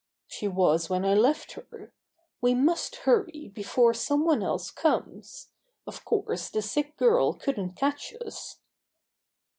"She was when I left her. We must hurry before some one else comes. Of course the sick girl couldn't catch us."